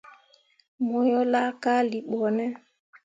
Mo yo laakalii ɓo ne ?